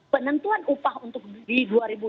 penentuan upah untuk di dua ribu dua puluh